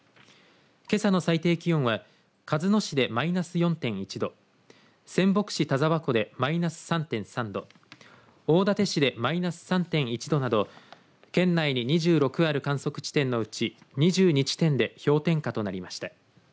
けさの最低気温は鹿角市でマイナス４．１度仙北市田沢湖でマイナス３．３度大館市でマイナス３．１度など県内に２６ある観測地点のうち２２地点で氷点下となりました。